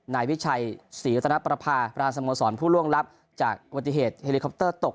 นายวิชัยศรีวัตนประพาประธานสโมสรผู้ล่วงลับจากอุบัติเหตุเฮลิคอปเตอร์ตก